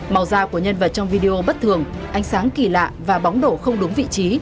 màu da của nhân vật trong video bất thường ánh sáng kỳ lạ và bóng đổ không đúng vị trí